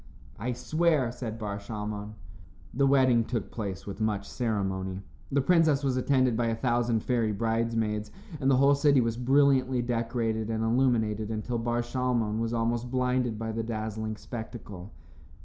"I swear," said Bar Shalmon. The wedding took place with much ceremony. The princess was attended by a thousand fairy bridesmaids, and the whole city was brilliantly decorated and illuminated until Bar Shalmon was almost blinded by the dazzling spectacle.